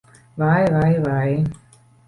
Vai, vai, vai!